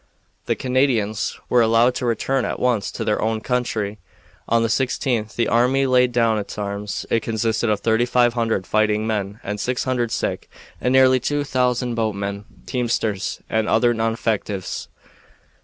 The Canadians were to be allowed to return at once to their own country. On the 16th the army laid down its arms. It consisted of thirty five hundred fighting men and six hundred sick and nearly two thousand boatmen, teamsters, and other non effectives.